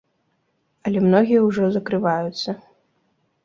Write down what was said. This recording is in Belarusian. Але многія ўжо закрываюцца.